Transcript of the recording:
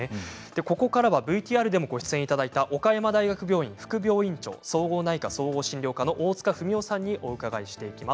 ここからＶＴＲにもご出演いただきました岡山大学病院副病院長総合内科・総合診療科の大塚文男さんにご出演いただきます。